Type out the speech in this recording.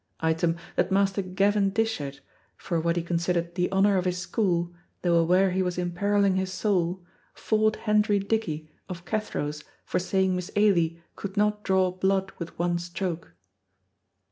Item, that Master Gavin Dishart, for what he considered the honor of his school, though aware he was imperilling his soul, fought Hendry Dickie of Cathro's for saying Miss Ailie could not draw blood with one stroke.